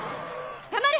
黙れ！